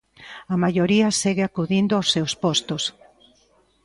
"A maioría segue acudindo aos seus postos".